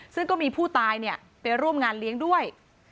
ซึ่งก็มีผู้ตายไปร่วมงานเลี้ยงด้วย